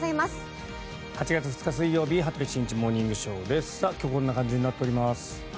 ８月２日、水曜日「羽鳥慎一モーニングショー」。今日はこんな感じになっております。